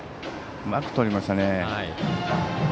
うまくとりましたね。